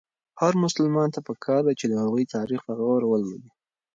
هر مسلمان ته پکار ده چې د هغوی تاریخ په غور ولولي.